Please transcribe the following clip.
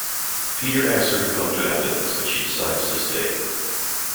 Peter asks her to come to Athens but she decides to stay.